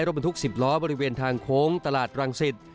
รถบรรทุก๑๐ล้อบริเวณทางโค้งตลาดรังสิต